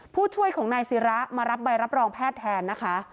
ผู้ช่วยของนายศิระมารับใบรับรองแพทย์แทนนะคะ